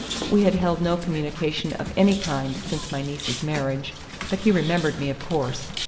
We had held no communication of any kind since my niece's marriage, but he remembered me, of course.